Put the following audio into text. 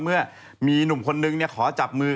เมื่อมีหนุ่มคนนึงขอจับมือ